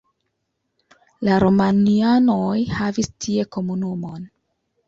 La romianoj havis tie komunumon.